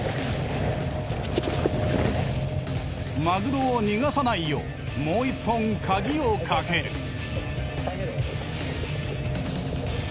マグロを逃がさないようもう一本カギをかける。